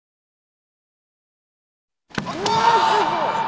うわっすごい。